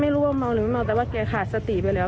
ไม่รู้ว่าเมาหรือไม่เมาแต่ว่าแกขาดสติไปแล้ว